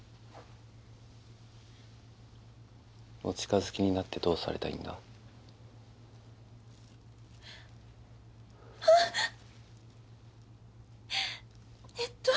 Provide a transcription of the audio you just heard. お近づきになってどうされたいんだ？あっ。